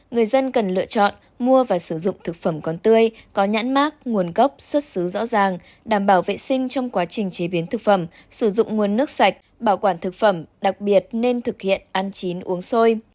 người dân cần lựa chọn mua và sử dụng thực phẩm còn tươi có nhãn mát nguồn gốc xuất xứ rõ ràng đảm bảo vệ sinh trong quá trình chế biến thực phẩm sử dụng nguồn nước sạch bảo quản thực phẩm đặc biệt nên thực hiện ăn chín uống sôi